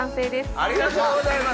ありがとうございます。